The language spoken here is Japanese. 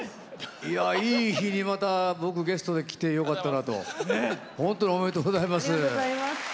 いい日に僕、ゲストで来てよかったなと。ありがとうございます。